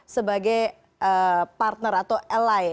sebagai partner atau ally